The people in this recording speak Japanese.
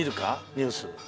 ニュース。